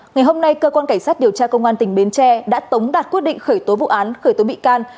ngày hôm nay cơ quan cảnh sát điều tra công an tỉnh bến tre đã tống đạt quyết định khởi tố vụ án khởi tố bị can